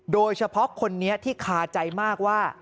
โดยเฉพาะคนนี้ที่คาใจมากว่า